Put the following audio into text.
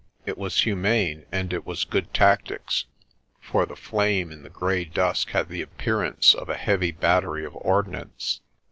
It was humane and it was good tactics, for the flame in the grey dusk had the appearance of a heavy battery of ordnance.